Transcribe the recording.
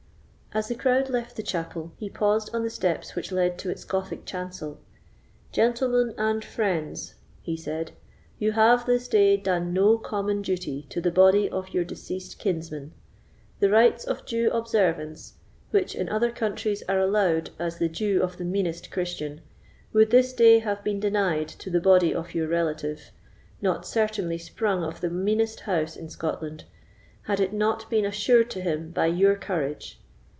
As the crowd left the chapel, he paused on the steps which led to its Gothic chancel. "Gentlemen and friends," he said, "you have this day done no common duty to the body of your deceased kinsman. The rites of due observance, which, in other countries, are allowed as the due of the meanest Christian, would this day have been denied to the body of your relative—not certainly sprung of the meanest house in Scotland—had it not been assured to him by your courage.